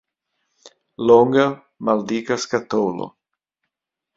Longa, maldika skatolo.